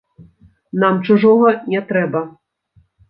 Нам чужога не трэба.